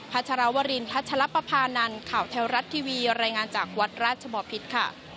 ชรวรินพัชรปภานันข่าวแท้รัฐทีวีรายงานจากวัดราชบอพิษค่ะ